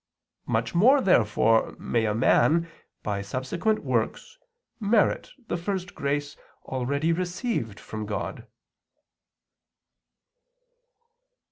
Much more, therefore, may a man, by subsequent works, merit the first grace already received from God.